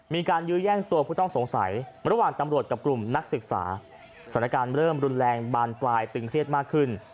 ยื้อแย่งตัวผู้ต้องสงสัยระหว่างตำรวจกับกลุ่มนักศึกษาสถานการณ์เริ่มรุนแรงบานปลายตึงเครียดมากขึ้น